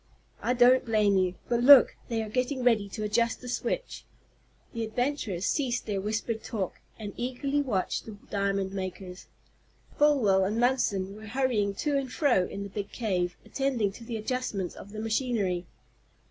"I don't blame you. But look, they are getting ready to adjust the switch." The adventurers ceased their whispered talk, and eagerly watched the diamond makers. Folwell and Munson were hurrying to and fro in the big cave, attending to the adjustments of the machinery.